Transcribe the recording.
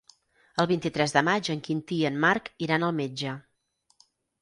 El vint-i-tres de maig en Quintí i en Marc iran al metge.